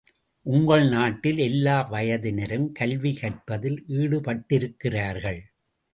உங்கள் நாட்டில், எல்லா வயதினரும் கல்வி கற்பதில் ஈடுபட்டிருக்கிறார்கள்.